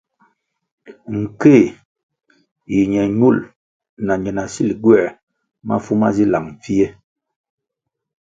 Nkéh yi ñe ñul na ñe na sil gywer mafu ma zi lang pfie.